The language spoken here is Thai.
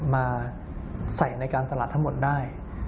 มาใส่ในการตลาดทั้งหมดได้